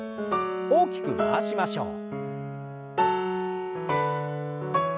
大きく回しましょう。